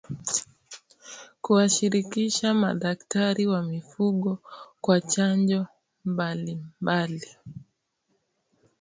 Kuwashirikisha madaktari wa mifugo kwa chanjo mbali mbali